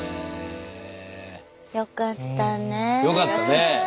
よかったねえ。